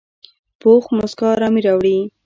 پوخ مسکا آرامي راوړي